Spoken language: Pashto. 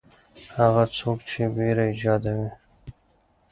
هغه څوک چې وېره ایجادوي.